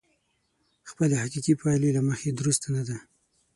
خپلې حقيقي پايلې له مخې درسته نه ده.